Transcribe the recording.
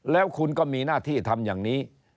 แล้วคุณก็มีหน้าที่ทำอย่างนี้